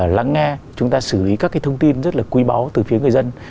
lắng nghe chúng ta xử lý các cái thông tin rất là quý báu từ phía người dân